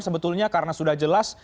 sebetulnya karena sudah jelas